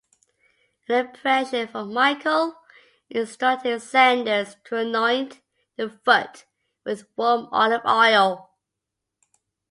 An "impression" from Michael instructed Sanders to anoint the foot with warm olive oil.